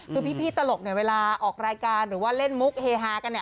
คือพี่ตลกเนี่ยเวลาออกรายการหรือว่าเล่นมุกเฮฮากันเนี่ย